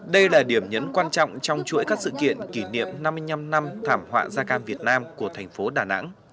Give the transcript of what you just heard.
đây là điểm nhấn quan trọng trong chuỗi các sự kiện kỷ niệm năm mươi năm năm thảm họa da cam việt nam của thành phố đà nẵng